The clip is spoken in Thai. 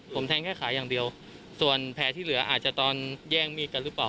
ผมแทงแค่ขาอย่างเดียวส่วนแผลที่เหลืออาจจะตอนแย่งมีดกันหรือเปล่า